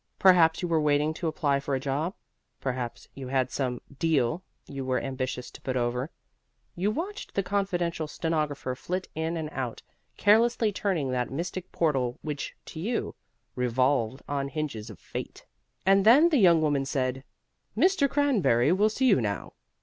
Perhaps you were waiting to apply for a job; perhaps you had some "deal" you were ambitious to put over. You watched the confidential stenographer flit in and out, carelessly turning that mystic portal which, to you, revolved on hinges of fate. And then the young woman said, "Mr. Cranberry will see you now."